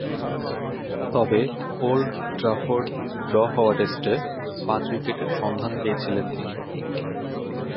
তবে, ওল্ড ট্রাফোর্ডে ড্র হওয়া টেস্টে পাঁচ উইকেটের সন্ধান পেয়েছিলেন তিনি।